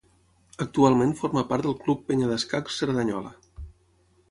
Actualment forma part del Club Penya d'Escacs Cerdanyola.